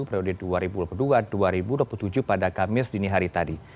prioritas dua ribu dua puluh dua dua ribu dua puluh tujuh pada kamis dini hari tadi